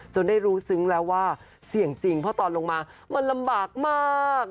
ได้รู้ซึ้งแล้วว่าเสี่ยงจริงเพราะตอนลงมามันลำบากมาก